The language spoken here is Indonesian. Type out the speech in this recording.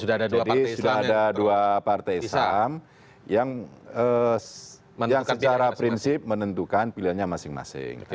jadi sudah ada dua partai islam yang menentukan pilihannya masing masing